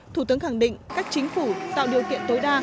thủ tướng khẳng định các chính phủ tạo điều kiện tối đa